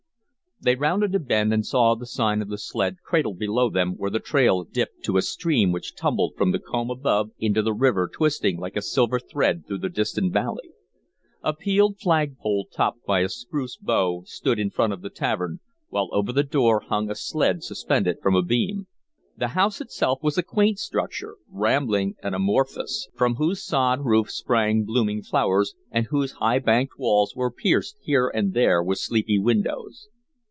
They rounded a bend and saw the Sign of the Sled cradled below them where the trail dipped to a stream which tumbled from the comb above into the river twisting like a silver thread through the distant valley. A peeled flag pole topped by a spruce bough stood in front of the tavern, while over the door hung a sled suspended from a beam. The house itself was a quaint structure, rambling and amorphous, from whose sod roof sprang blooming flowers, and whose high banked walls were pierced here and there with sleepy windows.